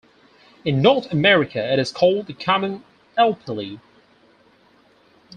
In North America, it is called the common alplily.